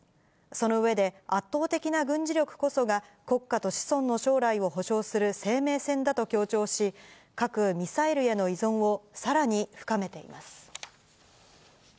その上で、圧倒的な軍事力こそが、国家と子孫の将来を保証する生命線だと強調し、核・ミサイルへの依存をさらに深めています。